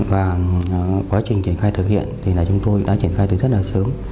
và quá trình triển khai thực hiện thì chúng tôi đã triển khai từ rất là sớm